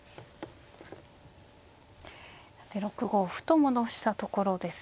さて６五歩と戻したところですね。